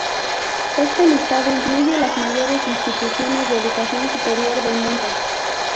Este listado incluye las mayores instituciones de educación superior del mundo.